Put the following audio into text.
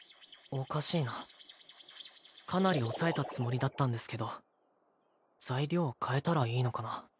おかしいなかなり抑えたつもりだったんですけど材料を変えたらいいのかな